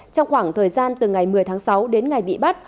trong khoảng thời gian từ ngày một mươi tháng sáu đến ngày bị bắt